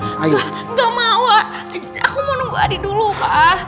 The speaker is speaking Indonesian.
enggak enggak mau aku mau nunggu adi dulu pak